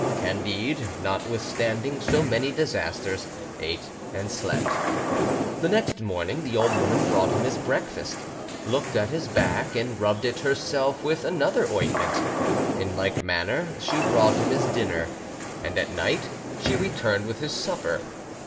Candide, notwithstanding so many disasters, ate and slept. The next morning the old woman brought him his breakfast, looked at his back, and rubbed it herself with another ointment: in like manner she brought him his dinner; and at night she returned with his supper.